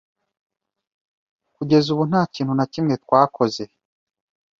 Kugeza ubu, nta kintu na kimwe twakoze.